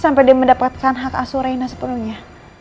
sampai dia mendapatkan hak asur rena sepenuhnya